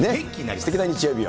すてきな日曜日を。